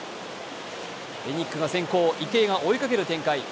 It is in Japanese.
エニックが先行、池江が追いかける展開。